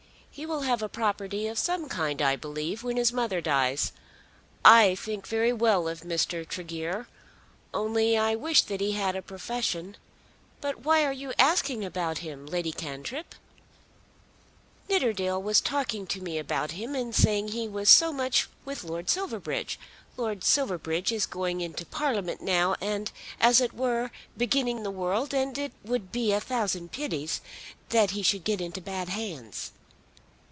He will have a property of some kind, I believe, when his mother dies. I think very well of Mr. Tregear; only I wish that he had a profession. But why are you asking about him, Lady Cantrip?" "Nidderdale was talking to me about him and saying that he was so much with Lord Silverbridge. Lord Silverbridge is going into Parliament now, and, as it were, beginning the world, and it would be a thousand pities that he should get into bad hands."